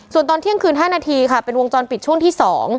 ส่วนตอนเที่ยงคืน๕นาทีค่ะเป็นวงจรปิดช่วงที่๒